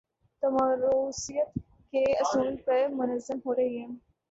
تو موروثیت کے اصول پر منظم ہو رہی ہیں۔